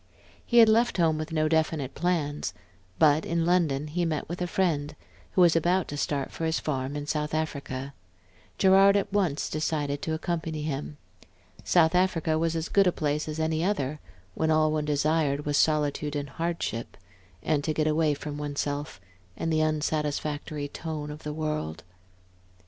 He had left home with no definite plans; but in London he met a friend, who was about to start for his farm in South Africa. Gerard at once decided to accompany him. South Africa was as good a place as any other, when all one desired was solitude and hardship, and to get away from one's self, and the unsatisfactory tone of the world.